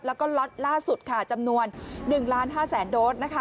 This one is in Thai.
แล้วก็ล็อตล่าสุดค่ะจำนวน๑ล้าน๕แสนโดสนะคะ